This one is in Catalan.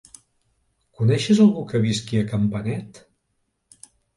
Coneixes algú que visqui a Campanet?